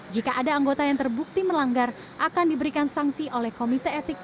jika ada anggota yang terbukti melanggar akan diberikan sanksi oleh komite etik